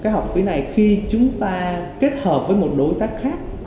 cái học phí này khi chúng ta kết hợp với một đối tác khác